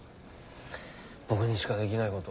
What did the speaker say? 僕にしかできないこと？